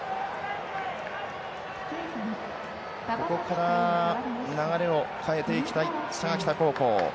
ここから流れを変えていきたい佐賀北高校。